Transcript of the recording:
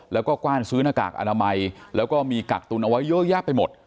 แล้วก็กว้านซื้อหน้ากากอนามัยแล้วก็มีกักตุนเอาไว้เยอะแยะไปหมด